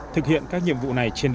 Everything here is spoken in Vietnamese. thực hiện các nhiệm vụ